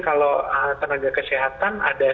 kalau tenaga kesehatan ada